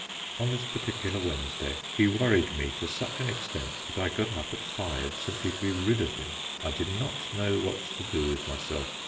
On this particular Wednesday he worried me to such an extent, that I got up at five simply to be rid of him. I did not know what to do with myself.